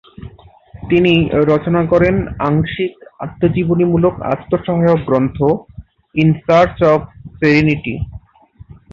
তিনি রচনা করে আংশিক-আত্মজীবনীমূলক আত্ম-সহায়ক গ্রন্থ ইন সার্চ অফ সেরেনিটি।